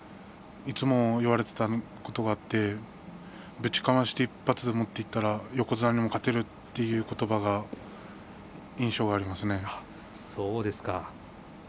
いつも言われていたことばってぶちかまして１発で持っていったら横綱にも勝てるということばがそうですか。